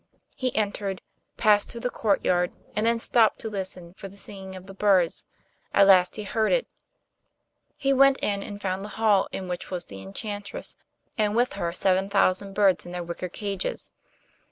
He entered, passed through the courtyard, and then stopped to listen for the singing of the birds; at last he heard it. He went in and found the hall in which was the enchantress, and with her seven thousand birds in their wicker cages.